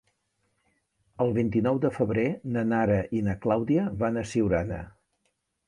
El vint-i-nou de febrer na Nara i na Clàudia van a Siurana.